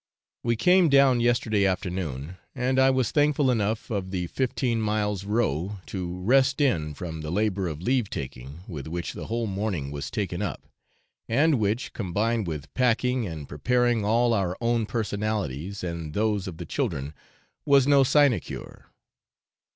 We came down yesterday afternoon, and I was thankful enough of the fifteen miles' row to rest in, from the labour of leave taking, with which the whole morning was taken up, and which, combined with packing and preparing all our own personalities and those of the children, was no sinecure.